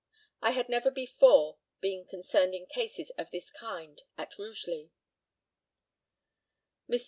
I had never before been concerned in cases of this kind at Rugeley. Mr.